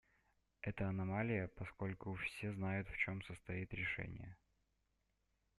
Это аномалия, поскольку все знают, в чем состоит решение.